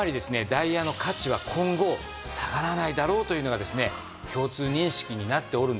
ダイヤの価値は今後下がらないだろうというのがですね共通認識になっているんですね。